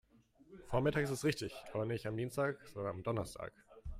Vormittags ist richtig, aber nicht am Dienstag, sondern am Donnerstag.